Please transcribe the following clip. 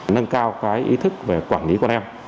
nâng cao ý thức về quản lý con em